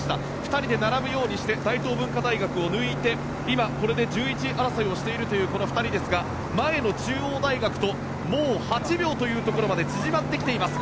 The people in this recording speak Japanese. ２人で並ぶようにして大東文化大学を抜いて今、これで１１位争いをしているこの２人ですが前の中央大学ともう８秒というところまで縮まってきています。